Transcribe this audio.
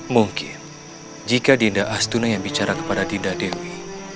mungkin jika dinda astuna yang bicara kepada dinda dewi